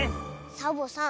サボさん